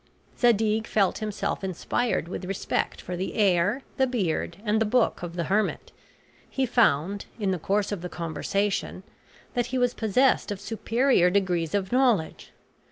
Zadig felt himself inspired with respect for the air, the beard, and the book of the hermit. He found, in the course of the conversation, that he was possessed of superior degrees of knowledge.